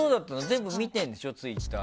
全部見てんでしょ、ツイッター。